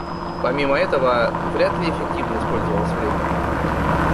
Помимо этого, вряд ли эффективно использовалось время.